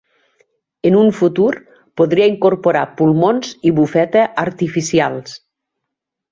En un futur podria incorporar pulmons i bufeta artificials.